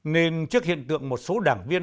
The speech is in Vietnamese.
nên trước hiện tượng một số đảng viên